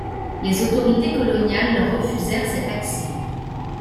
Les autorités coloniales leur refusèrent cet accès.